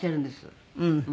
うん。